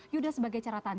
yuda sebagai caratan